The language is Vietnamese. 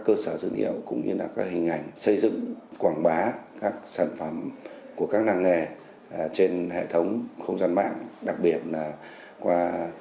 một số mô hình đã hoàn thành và thậm chí hoàn thành vượt tiến độ kết quả